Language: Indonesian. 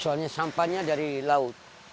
soalnya sampahnya dari laut